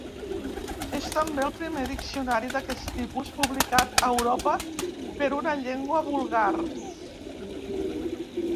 És també el primer diccionari d'aquest tipus publicat a Europa per a una llengua vulgar.